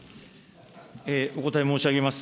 お答え申し上げます。